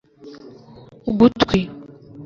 ugutwi